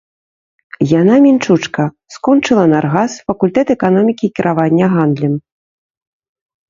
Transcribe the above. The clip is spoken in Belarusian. Яна мінчучка, скончыла наргас, факультэт эканомікі і кіравання гандлем.